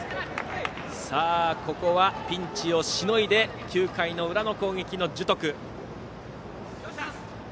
さあ、ピンチをしのいで９回裏の攻撃の樹徳。